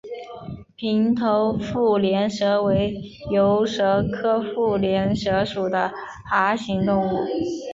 平头腹链蛇为游蛇科腹链蛇属的爬行动物。